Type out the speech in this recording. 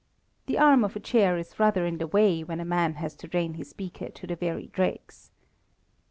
The arm of a chair is rather in the way when a man has to drain his beaker to the very dregs.